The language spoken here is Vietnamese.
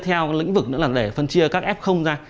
theo lĩnh vực nữa là để phân chia các f ra